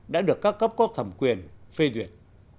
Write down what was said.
đã được các cấp cốt thẩm quyền phê duyệt